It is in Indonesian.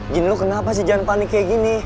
gin lo kenapa sih jangan panik kayak gini